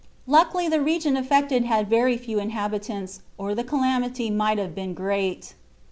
Luckily, the region affected had very few inhabitants, or the calamity might have been great.